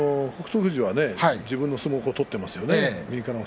富士も自分の相撲は取っていますよね。